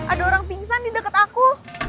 ada orang pingsan di dekat aku